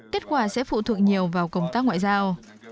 kết quả sẽ phụ thuộc nhiều vào công tác ngoại giao